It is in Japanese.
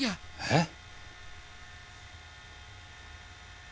えっ！？